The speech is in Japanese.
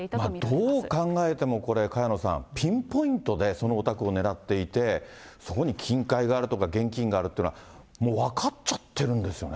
どう考えても、これ、萱野さん、ピンポイントでそのお宅を狙っていて、そこに金塊があるとか、現金があるっていうのはもう分かっちゃってるんですよね。